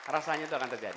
rasanya itu akan terjadi